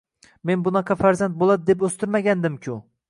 Men bunaqa farzand bo`ladi deb o`stirmagandim-ku